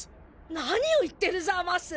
なにを言ってるざます？